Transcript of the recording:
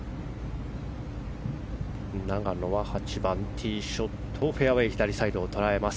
永野は８番ティーショットフェアウェー左サイドを捉えます。